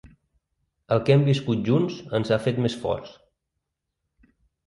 El que hem viscut junts ens ha fet més forts.